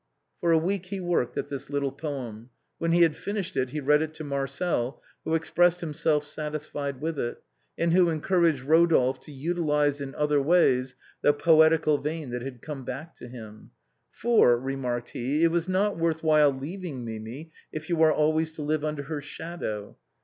For a week he worked at this little poem. When he had finished it he read it to Marcel, who expressed himself satisfied with it, and who encouraged Kodolphe to utilize in other ways the poetical vein that had come back to him. " For," remarked he, " it was not worth while leaving Mimi if you are always to live under her shadow.